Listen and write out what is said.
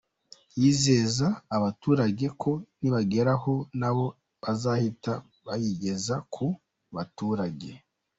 Yizeza abaturage ko nibageraho nabo bazahita bayigeza ku baturage.